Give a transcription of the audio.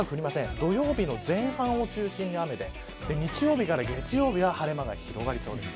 土曜日の前半を中心に雨で日曜日から月曜日までは晴れ間が広がりそうですね。